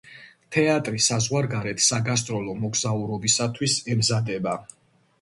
თეატრი საზღვარგარეთ საგასტროლო მოგზაურობისათვის ემზადება.